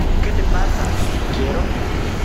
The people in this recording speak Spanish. ¿ Qué te pasa? Quiero...